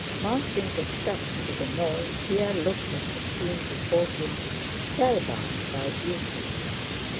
Mounting the steps to the knoll Pierre looked at the scene before him, spellbound by beauty.